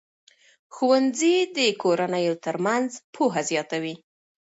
ښوونځي د کورنیو ترمنځ پوهه زیاتوي.